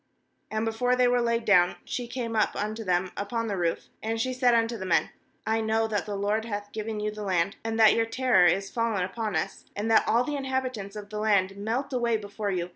8And before they were laid down, she came up unto them upon the roof; 9and she said unto the men: 'I know that the LOBD hath given you the land, and that your terror is fallen upon us, and that all the inhabitants of the land , melt away before you.